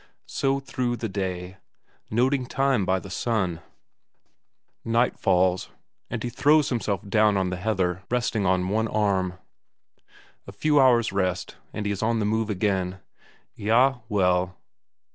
So through the day, noting time by the sun; night falls, and he throws himself down on the heather, resting on one arm. A few hours' rest, and he is on the move again: "Eyah, well...."